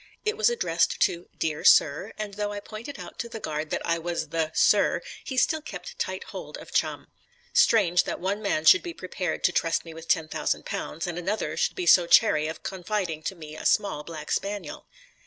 It was addressed to "Dear Sir," and though I pointed out to the guard that I was the "Sir," he still kept tight hold of Chum. Strange that one man should be prepared to trust me with £10,000, and another should be so chary of confiding to me a small black spaniel.